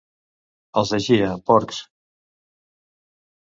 Els de Gia, porcs.